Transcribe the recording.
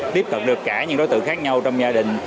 tiếp cận được cả những đối tượng khác nhau trong gia đình